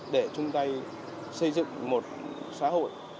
để chúng ta xây dựng một xã hội